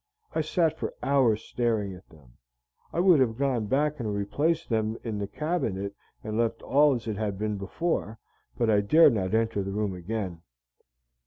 I sat for hours staring at them. I would have gone back and replaced them in the cabinet and left all as it had been before, but I dared not enter the room again.